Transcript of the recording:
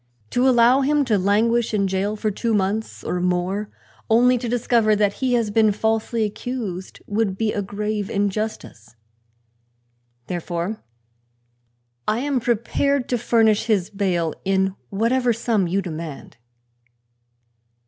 To allow him to languish in jail for two months or more, only to discover that he has been falsely accused, would be a grave injustice. Therefore I am prepared to furnish his bail in whatever sum you demand."